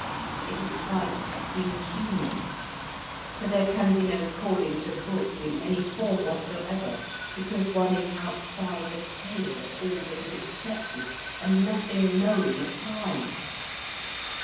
It is quite inhuman,—so there can be no calling to book, in any form whatsoever—because one is outside the pale of all that is accepted, and nothing known applies.